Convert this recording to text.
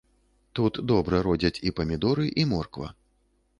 Тут добра родзяць і памідоры, і морква.